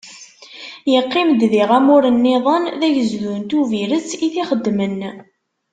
Iqqim-d diɣ amur-nniḍen d agezdu n Tubiret i t-ixeddmen.